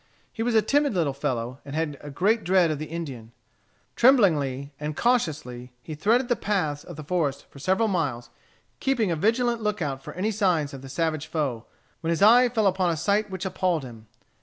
He was a timid little fellow, and had a great dread of the Indian. Tremblingly and cautiously he threaded the paths of the forest for several miles, keeping a vigilant lookout for any signs of the savage foe, when his eye fell upon a sight which appalled him.